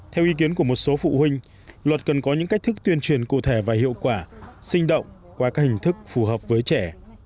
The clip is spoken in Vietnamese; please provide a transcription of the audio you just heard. theo ý kiến của một số phụ huynh luật cần có những cách thức tuyên truyền cụ thể và hiệu quả sinh động qua các hình thức phù hợp với trẻ